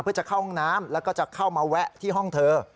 เพื่อจะเข้าห้องน้ำแล้วก็จะเข้ามาแวะที่ห้องเธอ